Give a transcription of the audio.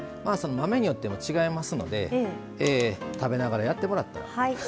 豆によっても違いますので食べながらやってもらったら。